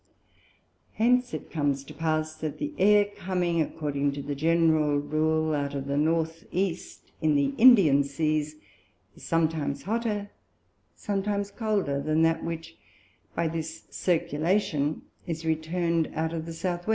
Hence it comes to pass, that the Air coming according to the general Rule, out of the N. E. in the Indian Seas, is sometimes hotter, sometimes colder, than that which by this Circulation is return'd out of the S. W.